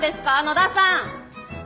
野田さん。